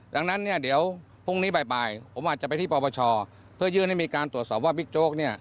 ดังนั้นเนี่ยเดี๋ยวพรุ่งนี้บ่ายผมอาจจะไปที่ปปชเพื่อยื่นให้มีการตรวจสอบว่าบิ๊กโจ๊กเนี่ย